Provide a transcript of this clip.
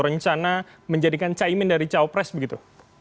rencana menjadikan caimin dari cawapres begitu